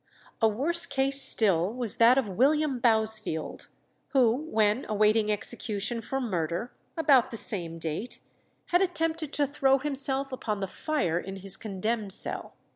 " A worse case still was that of William Bousfield, who, when awaiting execution for murder, about the same date, had attempted to throw himself upon the fire in his condemned cell.